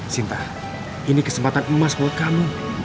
cinta ini kesempatan emas buat kamu